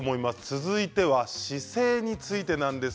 続いては姿勢についてです。